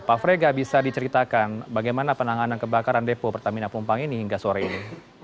pak frega bisa diceritakan bagaimana penanganan kebakaran depo pertamina pelumpang ini hingga sore ini